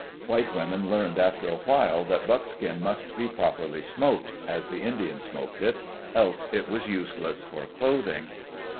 White women learned after a while that buck skin must be properly smoked, as the Indians smoked it, else it was useless for clothing.